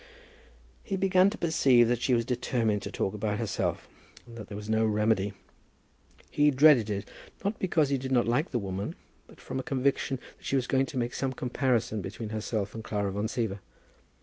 He began to perceive that she was determined to talk about herself, and that there was no remedy. He dreaded it, not because he did not like the woman, but from a conviction that she was going to make some comparison between herself and Clara Van Siever.